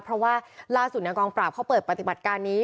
เพราะว่าล่าสุดในกองปราบเขาเปิดปฏิบัติการนี้